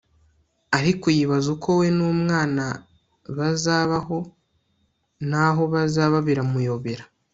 ariko yibaza uko we n'umwana baz- abaho n'aho bazaba biramuyobera